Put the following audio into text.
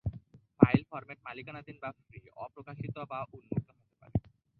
File format মালিকানাধীন বা free, অপ্রকাশিত বা উন্মুক্ত হতে পারে।